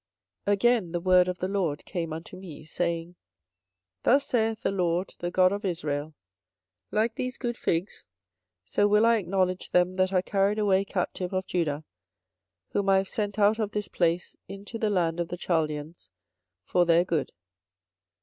24:024:004 Again the word of the LORD came unto me, saying, 24:024:005 Thus saith the LORD, the God of Israel; Like these good figs, so will I acknowledge them that are carried away captive of Judah, whom I have sent out of this place into the land of the Chaldeans for their good.